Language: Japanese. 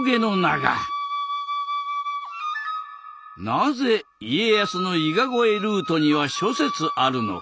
なぜ家康の伊賀越えルートには諸説あるのか。